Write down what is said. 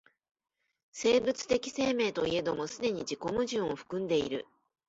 生物的生命といえども既に自己矛盾を含んでいる。